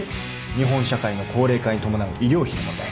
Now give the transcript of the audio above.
日本社会の高齢化に伴う医療費の問題。